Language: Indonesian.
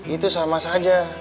itu sama saja